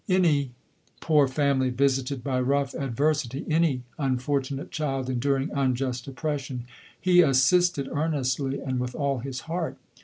Anv poor family visited by rough adversity, any unfortunate child enduring unjust oppression, he assisted earnestly and with all his heart.